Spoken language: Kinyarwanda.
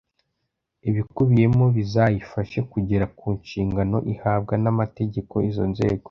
ibikubiyemo bizayifashe kugera ku nshingano ihabwa n amategeko Izo nzego